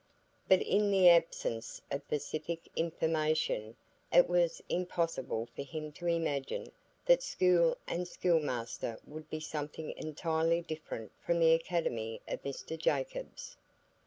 But in the absence of specific information, it was impossible for him to imagine that school and a schoolmaster would be something entirely different from the academy of Mr Jacobs.